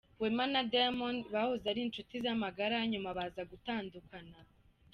Wema na Diamond bahoze ari inshuti magara, nyuma baza gutandukana.